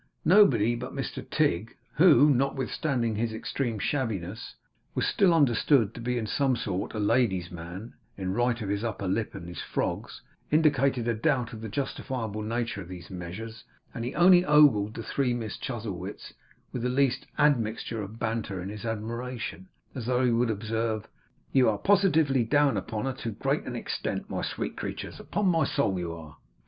Nobody but Mr Tigg, who, notwithstanding his extreme shabbiness, was still understood to be in some sort a lady's man, in right of his upper lip and his frogs, indicated a doubt of the justifiable nature of these measures; and he only ogled the three Miss Chuzzlewits with the least admixture of banter in his admiration, as though he would observe, 'You are positively down upon her to too great an extent, my sweet creatures, upon my soul you are!